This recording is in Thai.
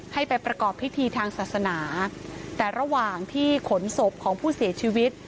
ให้ไปประกอบพิธีทางศาสนาแต่ระหว่างที่ขนศพของผู้เสียชีวิต